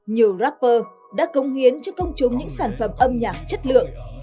nhiều rapper đã cống hiến cho công chúng những sản phẩm âm nhạc chất lượng